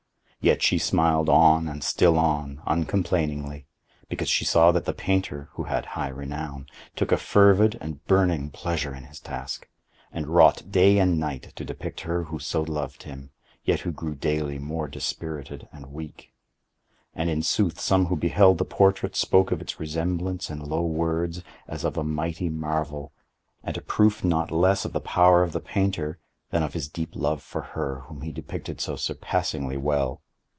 Yet she smiled on and still on, uncomplainingly, because she saw that the painter (who had high renown) took a fervid and burning pleasure in his task, and wrought day and night to depict her who so loved him, yet who grew daily more dispirited and weak. And in sooth some who beheld the portrait spoke of its resemblance in low words, as of a mighty marvel, and a proof not less of the power of the painter than of his deep love for her whom he depicted so surpassingly well.